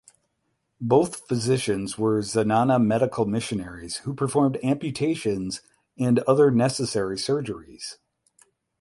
Both physicians were Zenana medical missionaries who performed amputations and other necessary surgeries.